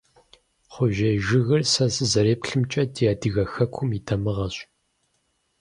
Кхъужьей жыгыр, сэ сызэреплъымкӀэ, ди адыгэ хэкум и дамыгъэщ.